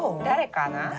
誰かな？